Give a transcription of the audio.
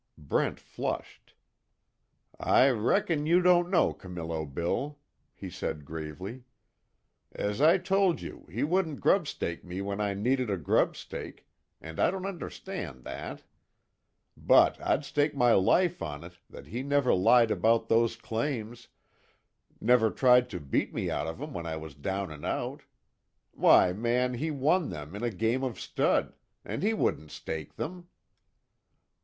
Brent flushed: "I reckon you don't know Camillo Bill," he said gravely, "As I told you, he wouldn't grub stake me when I needed a grub stake, and I don't understand that. But, I'd stake my life on it that he never lied about those claims never tried to beat me out of 'em when I was down and out! Why, man, he won them in a game of stud and he wouldn't take them!"